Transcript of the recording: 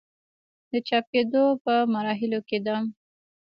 د چاپ کيدو پۀ مراحلو کښې ده